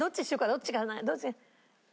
どっちかなどっちが。